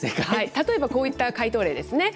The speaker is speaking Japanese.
例えばこういった解答例ですね。